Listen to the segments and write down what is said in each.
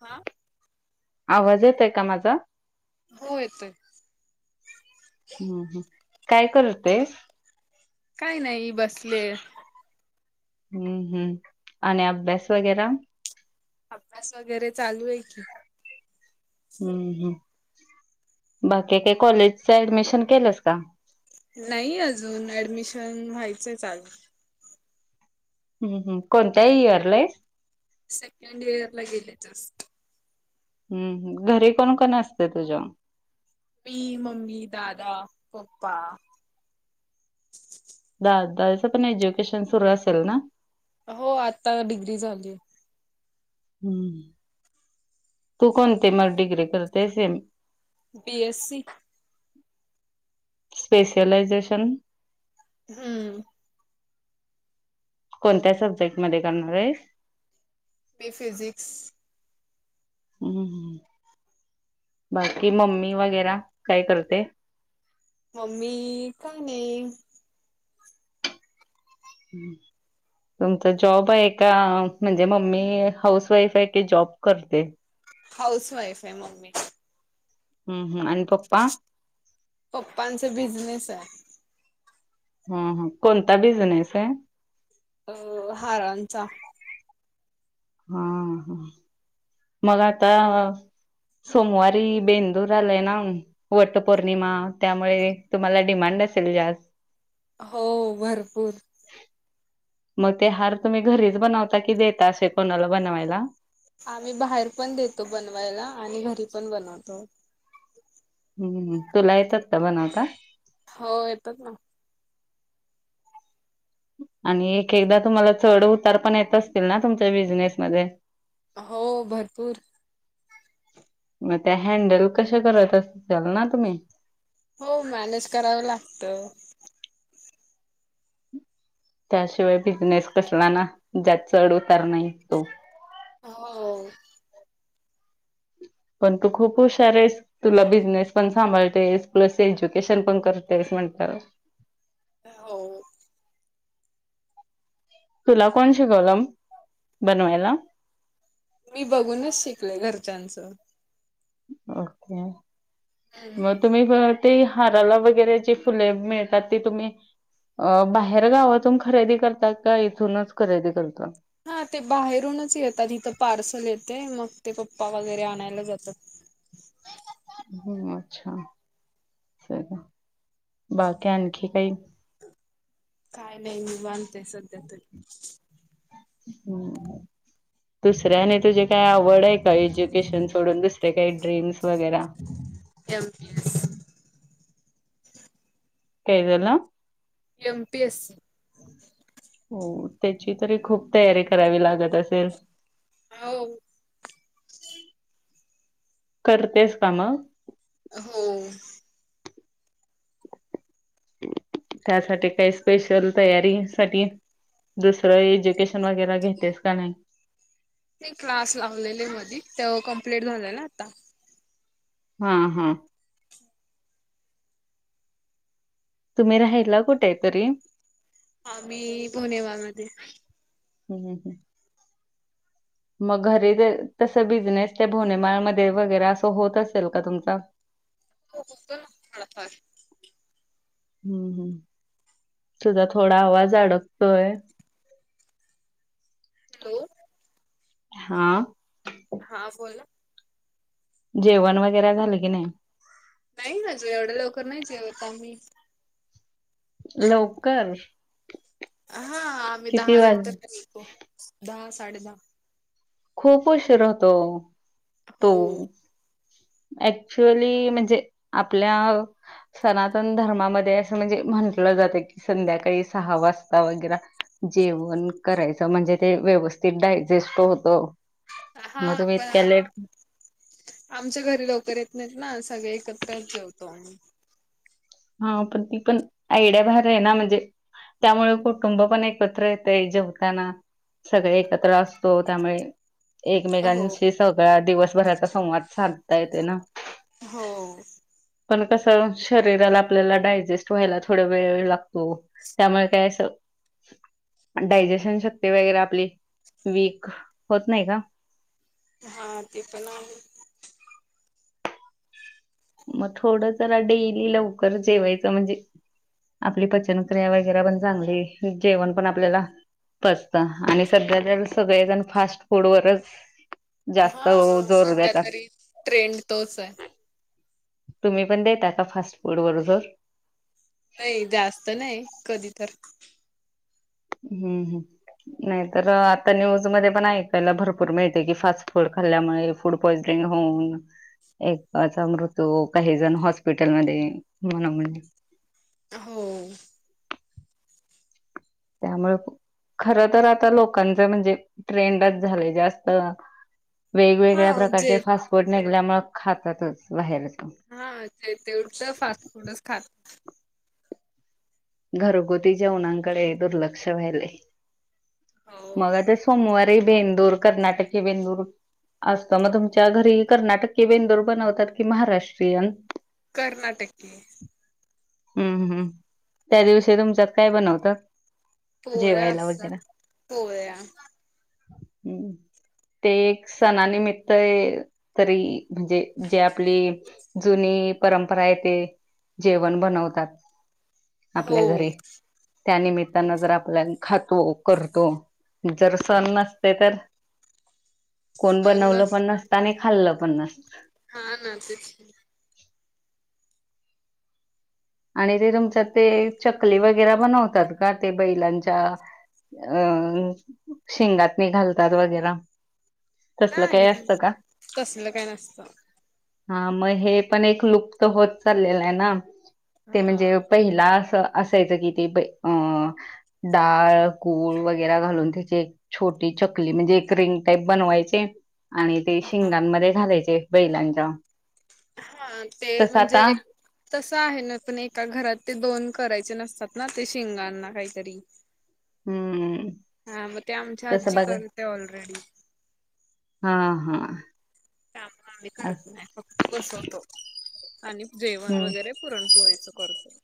हा आवाज येत आहे का माझा हो येतोय हं हं काय करतेस काही नाही बसले हं हं आणि अभ्यास वगैरा अभ्यास वगैरे चालू आहे कि हं हं बाकी काही कॉलेजच ऍडमिशन केलस का नाही अजून ऍडमिशन व्हायचंय चाल हं हं कोणत्याही इयरला आहेस सेकंड इयर ला गेले जास्त हं हं घरी कोण कोण असते तुझ्या मी मम्मी दादा पप्पा दादाचं पण एज्युकेशन सुरू असेल ना हो आता डिग्री झाली. हं तू कोणते मग डिग्री करते हे बी एस सी स्पेसलायझेशन हं कोणत्या सब्जेक्ट मध्ये करणार आहेस? मी फिजिक्स हं हं बाकी मम्मी वगैरा काय करते? मम्मी काय नाही. हं तुमचा जॉब आहे का? म्हणजे मम्मी हाऊस वाईफ आहे की जॉब करते? हाऊस वाईफ आहे मम्मी हं हं आणि पप्पा पप्पांचा बिजनेस आहे. हं हं कोणता बिझनेस आहे? अ हारांचा हा ह मग आता सोमवारी बेंदूर आलय ना वट पौर्णिमा त्यामुळे तुम्हाला डिमांड सलजाज हो भरपूर मग ते हार तुम्ही घरीच बनवता की देता असे कोणाला बनवायला आम्ही बाहेर पण देतो बनवायला आणि घरी पण बनवतो हम्म तुला येतात का बनवता? हो येतात ना. आणि एक एकदा तुम्हाला चढ उतार पण येत असतील ना तुमच्या बिझनेसमध्ये. हो भरपूर. मग त्या हॅडल कश करत असल ना तुम्ही? हो मॅनेज करावं लागत. त्याशिवाय बिझनेस कसला ना ज्यात चढउतार नाही तो. हो.. पण तू खूप हुशार आहेस तुला बिझनेस पण सांभाळतेस प्लस एज्युकेशन पण करतेस. म्हणताल. हो. तुला कोण शिकवलं बनवाला? मी बघूनच शिकले घरच्यांचं. ओके हम्म. मग तुम्ही पर ते हाराला वगैरे जी फुले मिळतात ती तुम्ही अ बाहेर गावातून खरेदी करतात का इथूनच खरेदी करता? हा ते बाहेरूनच येतात इथं पार्सल येते मग ते पप्पा वगैरे आणायला जातात. होम् अच्छा. बाकी आणखी काही. काय नाही निवांत हाय सध्यातरी. हम्म. दुसऱ्याने तुझी काय आवड आहे का एज्युकेशन सोडून दुसरे काही ड्रीम्स? वगैरे एम पी एस. काय झाला? एम पीएस स हो त्याची तरी खूप तयारी करावी लागत असेल. हो. करतेस का म? हो. त्यासाठी काही स्पेशल तयारी सा दुसरं एज्युकेशन वगैरे घेतेस का नाही? ते क्लास लावलेले मध ते कंप्लिट झाले न आता. हा हम. तुम्ही राहिला कुठे हाय तरी आ्ही बोनेवा मध्ये. हम्म हम् हम्म. मग घरी तस बिझनेस ते भोनेमाळमध्येध्ये वगैरे असं होत असेल का तुमचा? रिकामाऑडिओ हो होतोय थोडा फार. हम्म हम् तुझा थोडा आवाज अडकतोय. रिकामा ऑडिओ हॅलो. हा. हा बोला. जेवण वगैरे झालं की नाही? नाही ना जो एवढे लवकर नाही जेवत आम्ही. लवकर. हा आम्ही किती दहा वाज नंतर जेवतो दहा साडे दहा. खूप उशीर होतो ओ हो तो. ऍक्च्युअली म्हणजे आपल्या सनातन धर्मामध्ये असं म्हणजे म्हंटलं संध्याकाळी सहा वाजता वैगरा जेवण कराय म्हणजे व्यवथित डायजेस्ट होत हा अ पण आमच्या घरी लवकर येत नाहीत ना सगळे एकत्रच जेवतो आम्ही हा पण ती पण आयड्या बाहेर आहे ना म्हणजे त्यामुळे कुटुंब पण एकत्र येत जेवताना सगळे एकत्र असतो त्यामुळे हो एकमेकांशी सगळा दिवसभराचा संवाद साधता येते ना हो पण कस शरीराला आपल्याला डायजेस्ट व्हायला थोड वे लागतो त्यामुळे काय डायजेशन शक्ती वगैरे आपली वीक होत नाही का हा ते पण आहे मग थोडं ज डेली लवकर जेवायचं म्हणजे आपली पचनक्रिया वगैरे पण चांगली जेवण पण आपल्याला फस्त आणि सध्या तर सगळेजण फास्ट फूड वरच हा जास्त जोर सध्या देतात तरी ट्रेंड तोच आहे तुम्ही पण देता का फास्ट फूड बरो जर नाही जास्त नाही कधी तर हम्म ह नाहीतर आता न्यूज मध्ये पण ऐकायला भरपूर मिळते की फास्ट फूड खल्ल्यामुळे फूड पॉइझनिंग होऊन एकचा मृत्यू काही जण हॉस्पिटलमध्येध् म्हण म्ह हो त्यामुळे खर तर आता लोकांच म्हणजे ट्रेंडच झालेय जास्त हा वेगवेगळ्या प्रकारचे जे फास्ट फूड निघल्यामुळे खातातच बाहेरच हा ते तेवढ फास्ट फूडच खात घरगुती जेवणकडे दुर्लक्ष व्हाले हो मग आता सोमवारी बेंदूर कर्नाटक बेंदूर असत मग तुमच्या घरी कर्नाटक बेंदूर बनवतात की महाराष्ट्रीयन कर्नाटके हम्म हम्म त्या दिवशी तुमच्यात काय बनवतं पोळ्या असतात पोळ्या हम्मम ते एक सणानिमित्त तरी म्हणजे जे आपली जुनी परंपरा आहे ते जेवण बनवतात हो त्यानमित्तानं जर आपल्या खातो करतो जर सण नसते तर कोण बनवलं पण नसतं आणि खाल्लं पण नसत हा ना तेच आणि ते तुमच्या ते चकली वगैरे बनवतात का ते बैलांच्या अं शीगात नि घालतात वगैरे तसलं काही असतं नाही का तसलं काय नसत हा मग हे पण एक लुप्त होत चाललेलं आहे ना हा ते म्हणजे पहिला असं असायचं की ते अ डाळ गुळ वगैरे घालून त्याची एक छोटी चकली म्हणजे एक रिंग टाईप बनवायचे आणि ते शिंगांमध्ये घालायचे बैलांच्या हा ते तसं म्हणजे आता एक तस आहे ना पण एका घरात ते दोन करायचे नसतात ना ते शिंगना काहीतरी हम्म हा मग ते आमच्या तसं आजी बघ करते ऑलरेडी हा हा काम आम्ही अ- करत नाही फक्त बसवतो. आणि जेवण हम्म वगैरे पुरणपोळीच करतो.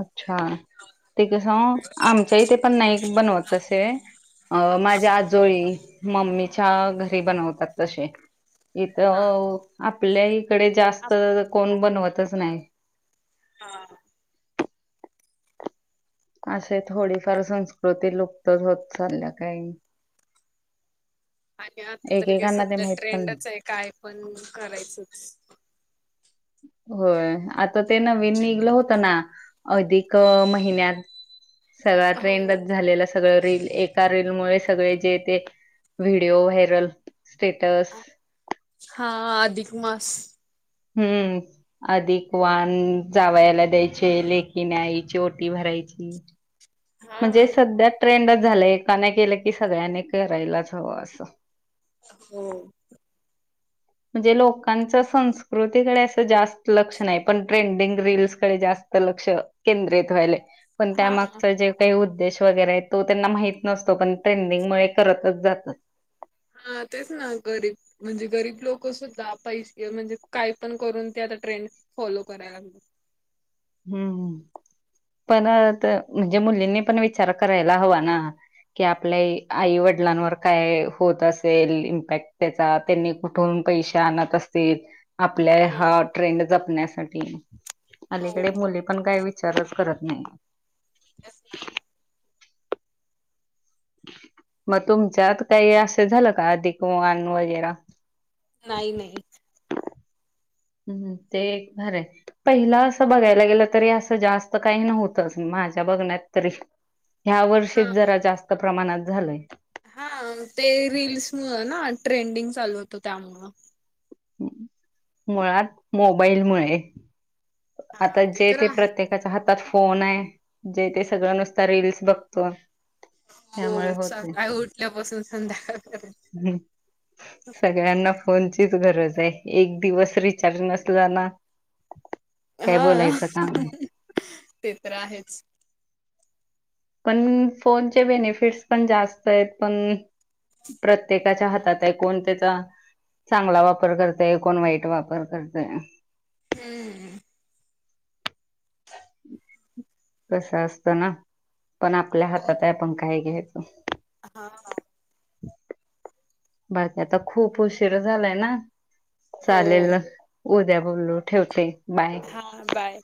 अच्छा. ते कस आमच्या इ ते पण नाही बनवतसे अ माझ्या आजोळी मम्मीच्या घरी बनवतात तसे. इथ हा आपल्या इकडे आप जास्त कोण बनवतच नाही? हा. असे थोडीफार संस्कृती लुप्तच होत चालल्या काही आणि आता तरी का एकेकांना ते सध्या माहित पण नाही. ट्रेंडच आहे काय पण करायचच. होय. आता ते नवीन निघलं होतं ना अधिक महिन्यात सगळा ट्रेंडच हो झालेला सगळ रील एका रीललमुळे सगळे जे ते विडिओ व्हायरल, स्टेटस हा अधिक मास. हम्म. अधिक वान जावायला द्यायचे लेकिन आईची ओटी भराय यायची. हा म्हणजे सध्या ट्रेंडच झालं एकाने केलं की सगळ्यांनी करायलाच हवं असं. हो. [unintelligible] म्हणजे लोकांच्या संस्कृतीकडे असं जास्त लक्षण नाही, पण ट्रेंडिंग रील्स कडे जास्त लक्ष केंद्रित व्यायल पण त्या हा मागचं जे उद्देश वगैरे तो त्यांना माहिती नसतो, पण ट्रेंडिंगमुळे करतच जातात. हा तेच ना गरीब म्हणजे गरीब लोक सुद्धा पैसे म्हणजे काय पण करून त्या ट्रेंड फॉलो कराय ला हम्म हम्म. पण म्हणजे मुलींनी पण विचार करायला हवा ना? की आपल्या आई वडिलांवर काय होत असेल इम्पॅक्ट त्याचा त्यांनी कुठून पैसे आणत असतील. आपल्या हा ट्रेंड जपण्यासाठी अलीकडे हो मुले पण काय वि विचारच करत नाही. तेच ना मग तुमच्यात काही असं झालं का अधिकवान वगैरा नाही नाही. हम्म. ते खरं पहिलं असं बघायला गेलं तरी असं जास्त काही नव्हतच म माझ्या बघण्यात तरी ह्या वर्षी हा जरा जास्त प्रमाणात झालय. हा. ते रील्स मुळं ना ट्रेंडिंग चालू होतं त्यामुळं. मुळात मोबाईल मुळे. हा आता जे तर ते आहे प्रत्येकाच्या ह फोन आहे जे ते सगळं नुसत रील्स बघतो. हो त्यामुळे होतय. सकाळी उठल्यापासून संध्याकाळ पर्यंत. सगळ्यांना फोनची गरज आहे एक दिवस रिचार्ज नसला ना काय हा बोलायचं काम आहे ते तर आहेच. पण फोनचे बेनिफिट्स पण जास्त आहेत. पण प्रत्येकाच्या हातात आहे कोणत्याचा चांगला वापर करतय, कोण वाईट वापर करतय. हम्म. कस असतं ना पण आपल्या हो हातात आहे आपण काही घे हा हा. बाकी आता खूप उशीर झालाय ना हो चालेल. उद्या बोललो ठेवते. बाय हा बाय.